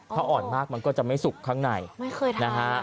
ถ้าอ่อนมากมันก็จะไม่สุกข้างในไม่เคยทานนะฮะ